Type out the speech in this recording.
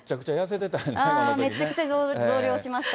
めちゃくちゃ増量しました。